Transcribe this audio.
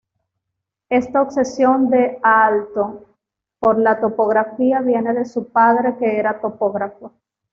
Esta obsesión de Aalto por la topografía viene de su padre, que era topógrafo.